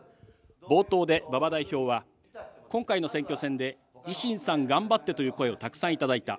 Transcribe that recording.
冒頭で馬場代表は、今回の選挙戦で維新さん、頑張ってという声をたくさん頂いた。